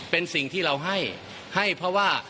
เป็นสิ่งที่เราให้ให้เพราะว่า